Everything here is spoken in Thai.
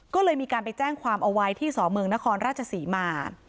ก็เลยมีการไปแจ้งความเอาไว้ที่สพเมืองนครราชศรีมา